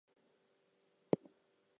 In his hands he held two pieces of dry wood.